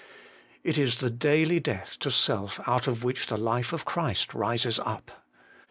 It is the daily death to self out of which the life of Christ rises up.